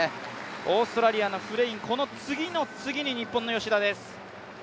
オーストラリアのフレイン、この次の次に日本の吉田です。